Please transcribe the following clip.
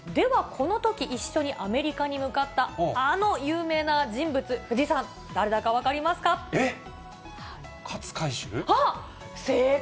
このとき、一緒に向かった、アメリカに向かったあの有名な人物、藤井さん、誰だか分かりますえっ？